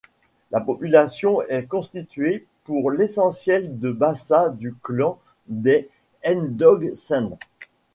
La population est constituée pour l’essentiel de Bassa du clan des Ndog Send.